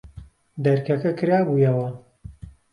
دەرکەکە کرابوویەوە.